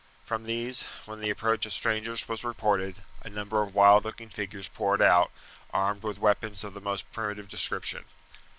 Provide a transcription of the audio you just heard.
From these, when the approach of strangers was reported, a number of wild looking figures poured out, armed with weapons of the most primitive description.